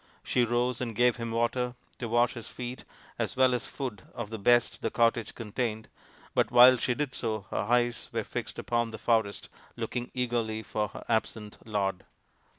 She rose and gave him water to wash his feet as well as food of the best the cottage contained, but while she did so her eyes were fixed upon the forest, looking eagerly for her absent lord.